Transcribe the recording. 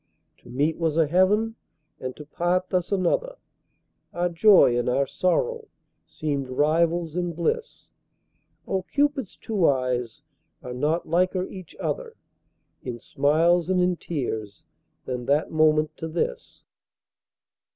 To meet was a heaven and to part thus another, Our joy and our sorrow seemed rivals in bliss; Oh! Cupid's two eyes are not liker each other In smiles and in tears than that moment to this.